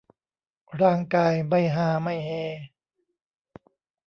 ร่างกายไม่ฮาไม่เฮ